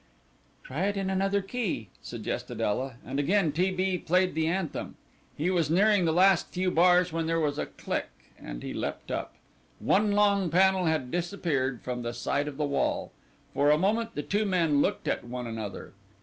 "Try it in another key," suggested Ela, and again T. B. played the anthem. He was nearing the last few bars when there was a click and he leapt up. One long panel had disappeared from the side of the wall. For a moment the two men looked at one another.